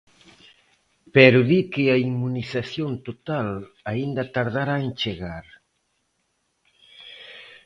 Pero di que a inmunización total, aínda tardará en chegar.